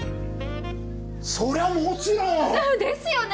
そりゃもちろん！ですよね！